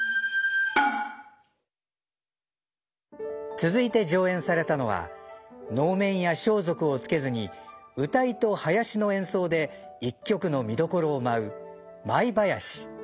続いて上演されたのは能面や装束をつけずに謡と囃子の演奏で一曲の見どころを舞う「舞囃子」。